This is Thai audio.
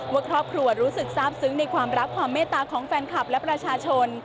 ว่าครอบครัวรู้สึกทราบซึ้งในความรักความเมตตาของแฟนคลับและประชาชน